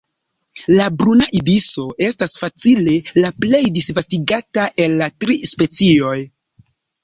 La Bruna ibiso estas facile la plej disvastigata el la tri specioj.